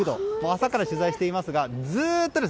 朝から取材していますがずっとです。